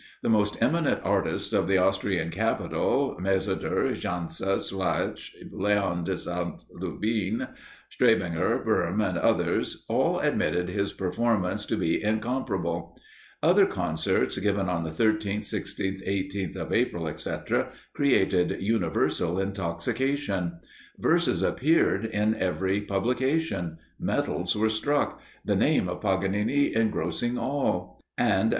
The most eminent artists of the Austrian capital, Mayseder, Jansa, Slawich, Léon de St. Lubin, Strebinger, Böhm, and others, all admitted his performance to be incomparable. Other concerts given on the 13th, 16th, 18th, of April, etc., created universal intoxication. Verses appeared in every publication medals were struck the name of Paganini engrossing all; and, as M.